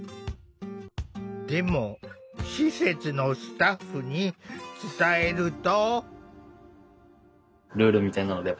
でも施設のスタッフに伝えると。